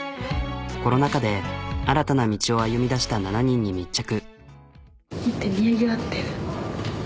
コロナ禍で新たな道を歩みだした７人に密着。